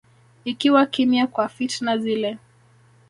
ikiwa kimya kwa fitna zile